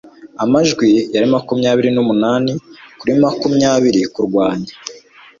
amajwi yari makumyabiri n'umunani kuri makumyabiri kurwanya